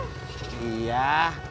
ia juga buruan